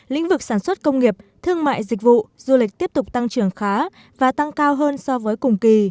lĩnh vực sản xuất công nghiệp thương mại dịch vụ du lịch tiếp tục tăng trưởng khá và tăng cao hơn so với cùng kỳ